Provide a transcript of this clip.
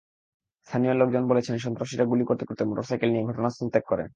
স্থানীয় লোকজন বলেছেন, সন্ত্রাসীরা গুলি করতে করতে মোটরসাইকেল নিয়ে ঘটনাস্থল ত্যাগ করে।